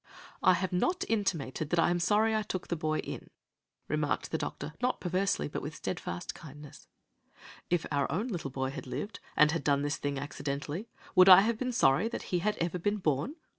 "I have not intimated that I am sorry I took the boy in," remarked the doctor, not perversely, but with steadfast kindness. "If our own little boy had lived, and had done this thing accidentally, would I have been sorry he had ever been born?